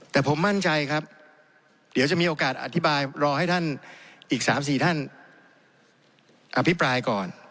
แต่ผมมั่นใจครับเดี๋ยวจะมีโอกาสอธิบายรอให้ท่านอีก๓๔ท่านอภิปรายก่อน